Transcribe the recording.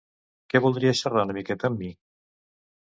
Que voldries xerrar una miqueta amb mi?